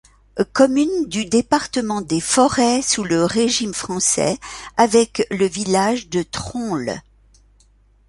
Commune du département des Forêts sous le régime français, avec le village de Tronle.